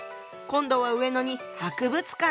今度は上野に博物館が。